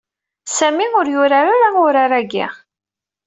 Sami ur yurar-ara urar-agi.